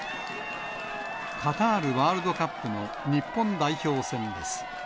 カタールワールドカップの日本代表戦です。